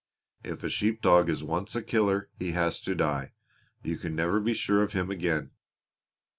If a sheep dog is once a killer he has to die. You can never be sure of him again.